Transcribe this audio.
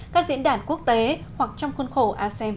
các diễn đàn quốc tế hoặc trong khuôn khổ asem